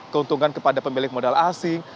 keuntungan kepada pemilik modal asing